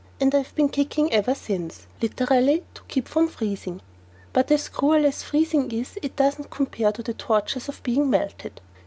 And I've been kicking ever since, literally to keep from freezing. But as cruel as freezing is, it doesn't compare to the tortures of being melted.